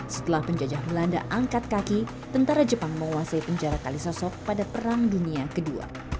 setelah penjajah belanda angkat kaki tentara jepang menguasai penjara kalisosok pada perang dunia ii